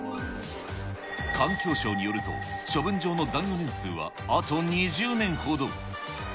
環境省によると、処分場の残余年数はあと２０年ほど。